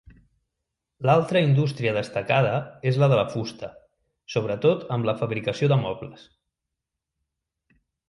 L'altra indústria destacada és la de la fusta, sobretot amb la fabricació de mobles.